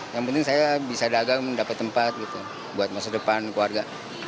yang penting saya bisa dagang dapat tempat gitu buat masa depan keluarga